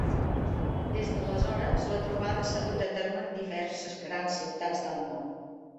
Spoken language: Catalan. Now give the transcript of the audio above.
Des d'aleshores, la trobada s'ha dut a terme en diverses grans ciutats del món.